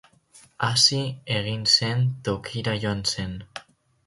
Hazi egin zen tokira joan zen.